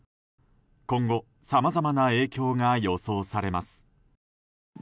今後、さまざまな影響が予想されます。